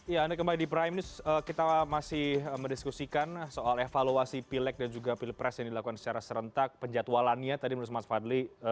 ya anda kembali di prime news kita masih mendiskusikan soal evaluasi pileg dan juga pilpres yang dilakukan secara serentak penjatualannya tadi menurut mas fadli